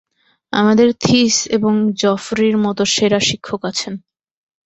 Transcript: আমাদের থিস এবং জফরির মত সেরা শিক্ষক আছেন।